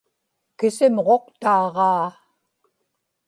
kisimġuqtaaġaa